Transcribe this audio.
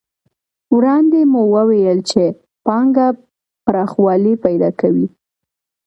وړاندې مو وویل چې پانګه پراخوالی پیدا کوي